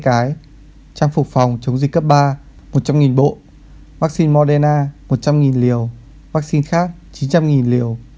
cái trang phục phòng chống dịch cấp ba một trăm linh bộ vaccine moderna một trăm linh liều vaccine khác chín trăm linh liều